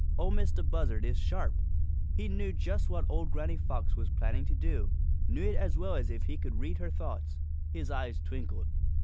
Ol' Mistah Buzzard is sharp. He knew just what old Granny Fox was planning to do knew it as well as if he had read her thoughts. His eyes twinkled.